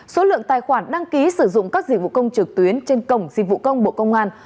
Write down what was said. số lượng tài khoản đăng ký sử dụng các dịch vụ công trực tuyến trên cổng dịch vụ công bộ công an